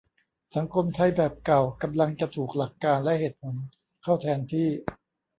สังคมไทยแบบเก่ากำลังจะถูกหลักการณ์และเหตุผลเข้าแทนที่